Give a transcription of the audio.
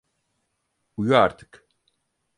Uyu artık.